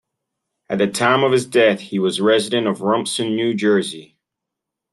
At the time of his death, he was a resident of Rumson, New Jersey.